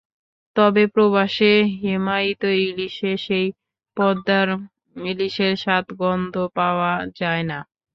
তবে প্রবাসে হিমায়িত ইলিশে সেই পদ্মার ইলিশের স্বাদ-গন্ধ পাওয়া যায় না।